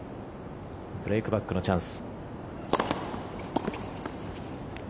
ブレークバックのチャンス。